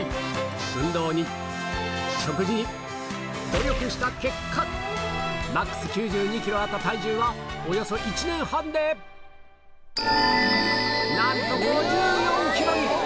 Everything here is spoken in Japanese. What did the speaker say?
努力した結果ＭＡＸ９２ｋｇあった体重はおよそ１年半でなんと５４ｋｇに！